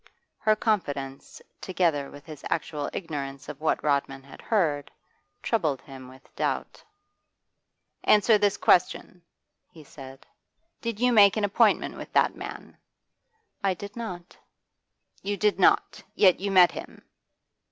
Her confidence, together with his actual ignorance of what Rodman had heard, troubled him with doubt. 'Answer this question,' he said. 'Did you make an appointment with that man?' 'I did not.' 'You did not? Yet you met him?